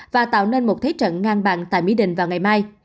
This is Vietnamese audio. và tạo nên một thế trận ngang bằng tại mỹ đình vào ngày mai